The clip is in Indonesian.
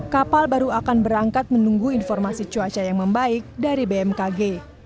kapal baru akan berangkat menunggu informasi cuaca yang membaik dari bmkg